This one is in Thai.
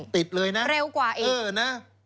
ติดเลยนะเออนะเร็วกว่าอีก